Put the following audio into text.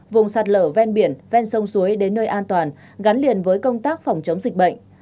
vùng sạt lở ven biển ven sông suối đến nơi an toàn gắn liền với công tác phòng chống dịch bệnh